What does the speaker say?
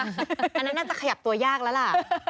อันนั้นน่าจะขยับตัวยากแล้วล่ะ